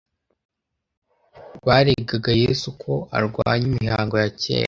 Baregaga Yesu ko arwanya imihango ya kera,